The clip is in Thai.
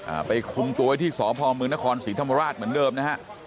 อ่าไปคลุมตัวให้ที่สอบภอมมือนครศรีธรรมราชเหมือนเริ่มนะฮะ